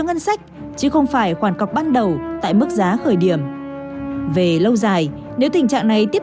ngân sách chứ không phải khoản cọc ban đầu tại mức giá khởi điểm về lâu dài nếu tình trạng này tiếp